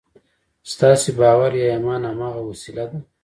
ستاسې باور يا ايمان هماغه وسيله ده.